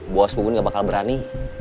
bos pun gak bakal berani